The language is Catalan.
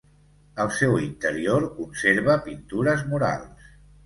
El seu interior conserva pintures murals.